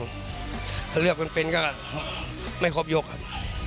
ถ้าเลือกเป็นก็ไม่ครบยกครับ